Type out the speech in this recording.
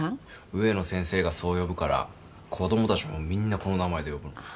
植野先生がそう呼ぶから子供たちもみんなこの名前で呼ぶんだ。